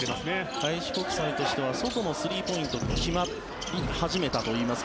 開志国際としては外のスリーポイントが決まり始めたといいますか